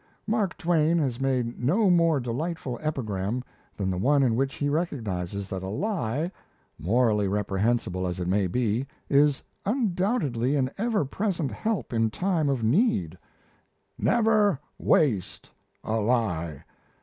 Mark Twain has made no more delightful epigram than that one in which he recognizes that a lie, morally reprehensible as it may be, is undoubtedly an ever present help in time of need: "Never waste a lie.